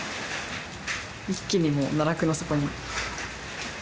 一気にもう奈落の底に。